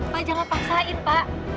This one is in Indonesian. pak jangan memaksa pak